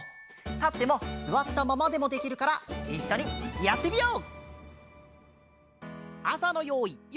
たってもすわったままでもできるからいっしょにやってみよう！